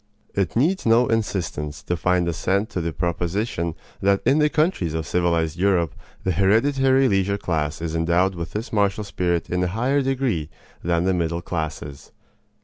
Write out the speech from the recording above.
It needs no insistence to find assent to the proposition that in the countries of civilized Europe the hereditary leisure class is endowed with this martial spirit in a higher degree than the middle classes.